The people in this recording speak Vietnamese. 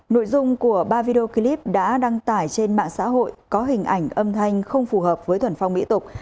nội dung của ba video clip đã đăng tải trên mạng xã hội có hình ảnh âm thanh không phù hợp với thuần phong mỹ tục